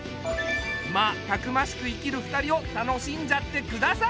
まあたくましく生きる２人を楽しんじゃってください。